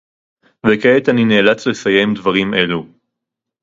וכעת אני נאלץ לסיים דברים אלו